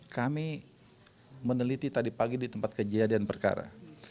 kami meneliti tadi pagi di tempat kejadian perkara